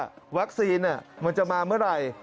มันตอบไม่ได้ว่าวัคซีนมันจะมาเมื่อไหร่